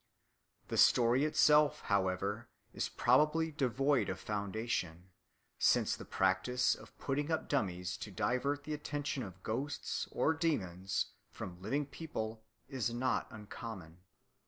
The story itself, however, is probably devoid of foundation, since the practice of putting up dummies to divert the attention of ghosts or demons from living people is not uncommon.